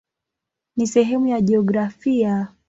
Ni sehemu ya jiografia.